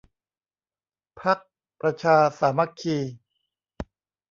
พรรคประชาสามัคคี